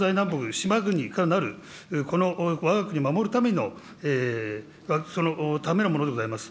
島国からなる、このわが国を守るための、そのためのものでございます。